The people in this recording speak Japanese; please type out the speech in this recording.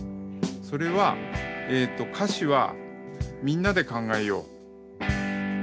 それは歌詞はみんなで考えよう。